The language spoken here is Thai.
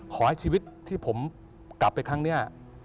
ขอให้ชีวิตที่ผมกลับไปครั้งนี้